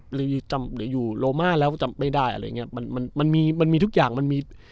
หรืออยู่หรืออยู่โลมาแล้วจำไม่ได้อะไรอย่างเงี้ยมันมันมันมีมันมีทุกอย่างมันมี